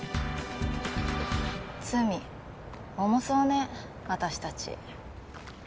罪重そうね私たち。